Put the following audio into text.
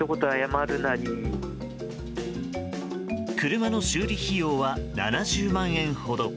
車の修理費用は７０万円ほど。